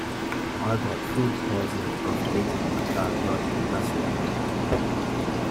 I got food poisoning after eating at that dodgy restaurant.